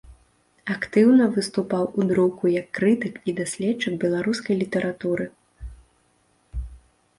Актыўна выступаў у друку як крытык і даследчык беларускай літаратуры.